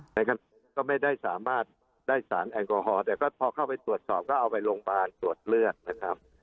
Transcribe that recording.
นะครับก็ไม่ได้สามารถได้สารแอลกอฮอลแต่ก็พอเข้าไปตรวจสอบก็เอาไปโรงพยาบาลตรวจเลือดนะครับ